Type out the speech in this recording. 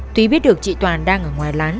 thúy biết được chị toàn đang ở ngoài lán